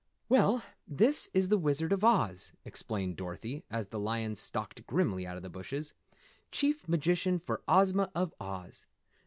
"Well, this is the Wizard of Oz," explained Dorothy, as the Lion stalked grimly out of the bushes, "Chief Magician for Ozma of Oz.